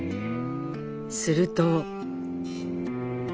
すると。